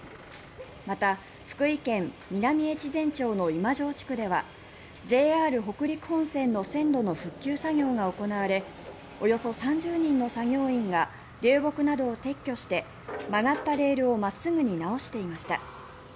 また、福井県南越前町の今庄地区ではＪＲ北陸本線の線路の復旧作業が行われおよそ３０人の作業員が流木などを撤去して曲がったレールを真っすぐに直していました。